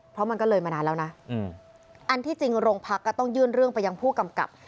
เพราะมันก็เลยมานานแล้วนะอันที่จริงโรงพักก็ต้องยื่นเรื่องไปยังผู้กำกับ